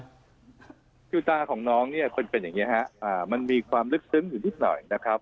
เพราะฉะนั้นตาของน้องเป็นอย่างนี้ฮะมันมีความลึกซึ้งอยู่นิดหน่อยนะครับ